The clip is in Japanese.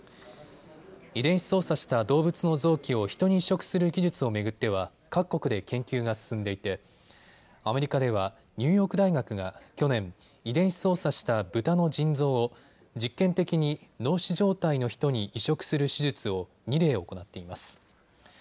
遺伝子操作した動物の臓器をヒトに移植する技術を巡っては各国で研究が進んでいてアメリカではニューヨーク大学が去年、遺伝子操作したブタの腎臓を実験的に脳死状態の人に移植する手術を２例行っています。